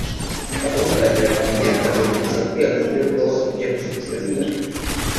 Abunganira Kenyatta bifuza ko yakurirwaho ibyo akurikiranyweho